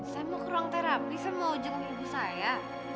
saya mau ke ruang terapi saya mau jenguk ibu saya